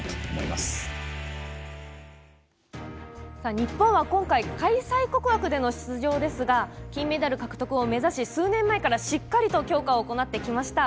日本は今回開催国枠での出場ですが金メダル獲得を目指し数年前からしっかりと強化を行ってきました。